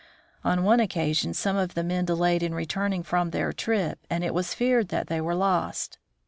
On one occasion some of the men delayed in returning from their trip, and it was feared that they were lost.